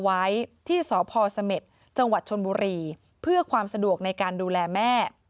ไว้ที่สพเสม็จจังหวัดชนบุรีเพื่อความสะดวกในการดูแลแม่